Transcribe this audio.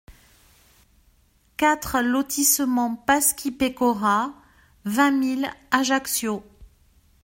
quatre lotissement Pasci Pecora, vingt mille Ajaccio